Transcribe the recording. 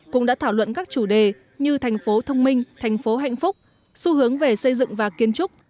cũng đã thảo luận các chủ đề như thành phố thông minh thành phố hạnh phúc xu hướng về xây dựng và kiến trúc